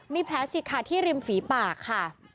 มีแผลฉีกขาดที่ริมฝีปากค่ะ